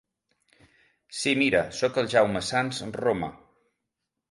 Sí mira soc el Jaume Sants Roma.